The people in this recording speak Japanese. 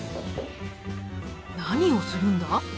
何をするんだ？